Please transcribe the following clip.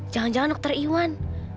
jangan jangan dokter iwan